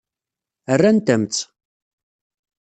Rrant-am-tt.